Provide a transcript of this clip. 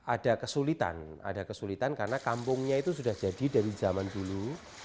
ada kesulitan ada kesulitan karena kampungnya itu sudah jadi dari zaman dulu